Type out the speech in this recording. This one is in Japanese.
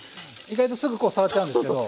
意外とすぐこう触っちゃうんですけど。